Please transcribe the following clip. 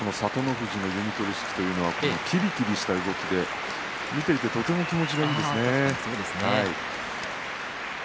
富士の弓取式というのは、きびきびした動きで見ているととても気持ちがいいですね。